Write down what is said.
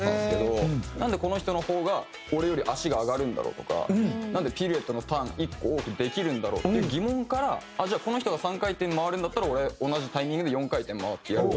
なんでこの人の方が俺より足が上がるんだろうとかなんでピルエットのターン１個多くできるんだろうっていう疑問からじゃあこの人が３回転回るんだったら俺同じタイミングで４回転回ってやるとか。